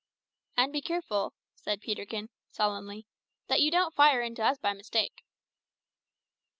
"And be careful," said Peterkin, solemnly, "that you don't fire into us by mistake."